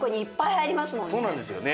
そうなんですよね。